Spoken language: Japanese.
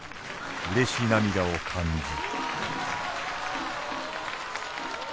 うれし涙を感ず」。